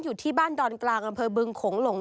อยู่ที่บ้านดอนกลางอำเภอบึงโขงหลง